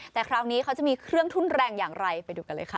แต่คราวนี้เขาจะมีเครื่องทุนแรงอย่างไรไปดูกันเลยค่ะ